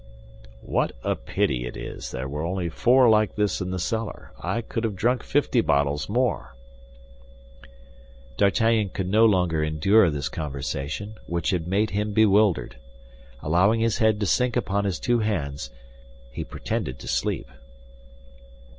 "What a pity it is there were only four like this in the cellar. I could have drunk fifty bottles more." D'Artagnan could no longer endure this conversation, which had made him bewildered. Allowing his head to sink upon his two hands, he pretended to sleep.